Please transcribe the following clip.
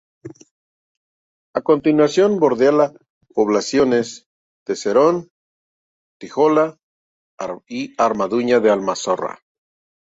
A continuación bordea las poblaciones de Serón, Tíjola y Armuña de Almanzora.